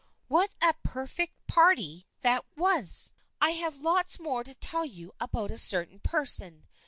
" What a perfect party that was ! I have lots more to tell you about a certain person.